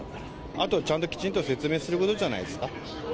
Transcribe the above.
あとちゃんときちんと説明することじゃないですか。